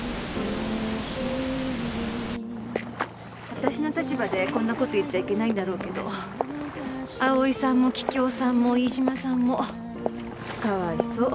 私の立場でこんな事言っちゃいけないんだろうけど葵さんも桔梗さんも飯島さんも可哀想。